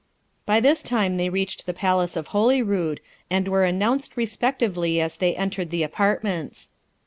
By this time they reached the palace of Holyrood, and were announced respectively as they entered the apartments.